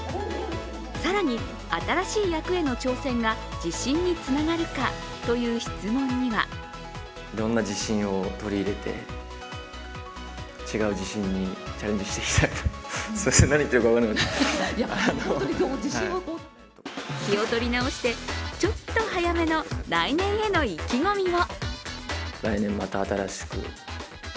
更に、新しい役への挑戦が自信につながるかという質問には気を取り直して、ちょっと早めの来年への意気込みを。